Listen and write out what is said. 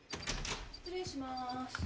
失礼しまーす。